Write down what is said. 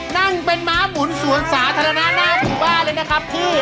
นั่งเป็นม้าหมุนสวนสาธารณะหน้าหมู่บ้านเลยนะครับพี่